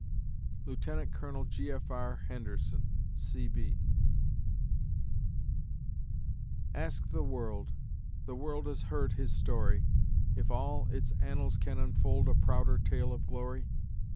LIEUT. COL. G. F. R. HENDERSON, C.B. ... Ask the world The world has heard his story If all its annals can unfold A prouder tale of glory?